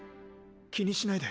気にしないで。